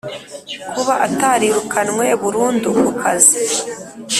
kuba atarirukanwe burundu ku kazi